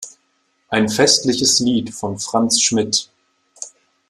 Ein festliches Lied" von Franz Schmidt.